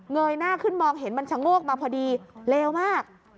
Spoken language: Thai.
ยหน้าขึ้นมองเห็นมันชะโงกมาพอดีเลวมาก